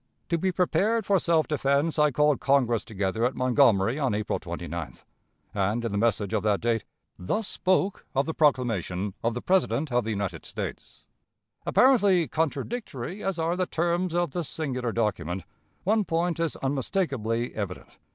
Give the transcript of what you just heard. To be prepared for self defense, I called Congress together at Montgomery on April 29th, and, in the message of that date, thus spoke of the proclamation of the President of the United States: "Apparently contradictory as are the terms of this singular document, one point is unmistakably evident.